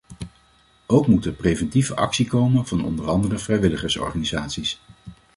Ook moet er preventieve actie komen van onder andere vrijwilligersorganisaties.